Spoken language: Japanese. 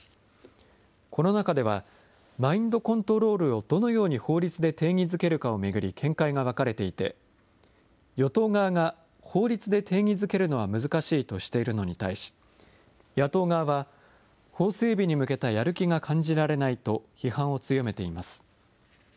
この中では、マインドコントロールをどのように法律で定義づけるかを巡り見解が分かれていて、与党側が法律で定義づけるのは難しいとしているのに対し、野党側は、法整備に向けたやる気が感じられないと批判を強めています。